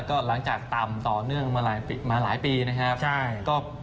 ก็หลังจากต่ำต่อเนื่องมาหลายปีนะครับ